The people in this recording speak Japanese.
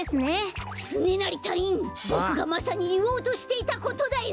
つねなりたいいんボクがまさにいおうとしていたことだよ！